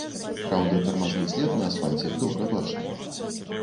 Праўда, тармазны след на асфальце добра бачны.